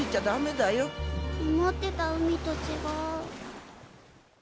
思ってた海とちがう。